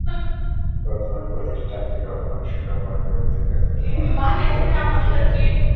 বর্তমানে প্রতিষ্ঠানটি রক্ষণশীল ও মধ্যবিত্ত ক্রেতাদের মনে স্থান করে নেওয়ার চেষ্টা করছে।